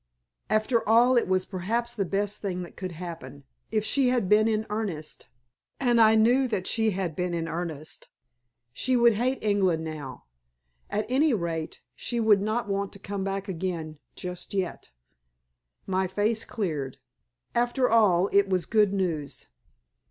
After all it was perhaps the best thing that could happen; if she had been in earnest and I knew that she had been in earnest she would hate England now. At any rate she would not want to come back again just yet. My face cleared. After all it was good news.